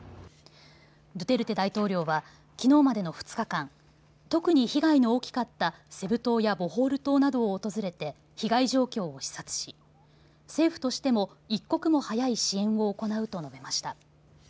ドゥテルテ大統領はきのうまでの２日間、特に被害の大きかったセブ島やボホール島などを訪れて被害状況を視察し政府としても一刻も早い支援を行うと述べました。